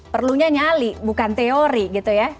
perlunya nyali bukan teori gitu ya